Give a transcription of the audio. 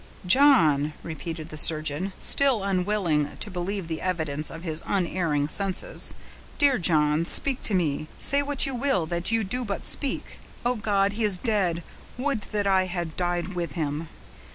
"John!" repeated the surgeon, still unwilling to believe the evidence of his unerring senses. "Dear John, speak to me; say what you will, that you do but speak. Oh, God! he is dead; would that I had died with him!"